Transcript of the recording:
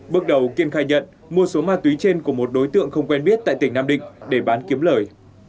bước đầu kiên khai nhận mua số ma túy trên của một đối tượng không quen biết tại tỉnh nam định để bán kiếm lời